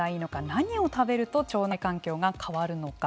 何を食べると腸内環境が変わるのか。